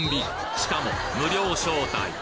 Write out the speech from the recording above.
しかも無料招待！